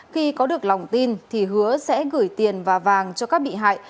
khi có được lòng tin thì hứa sẽ gửi tiền và vàng cho các bị hại